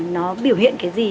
nó biểu hiện cái gì